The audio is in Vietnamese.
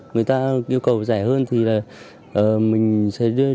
người ta yêu cầu rẻ hơn thì mình sẽ đưa rẻ hơn